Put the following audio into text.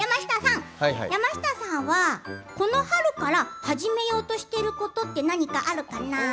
山下さんはこの春から始めようとしていることって何かあるかな？